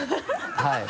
はい。